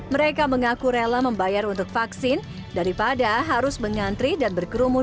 mereka mengaku rela membayar untuk vaksin daripada harus mengantri dan berkerumun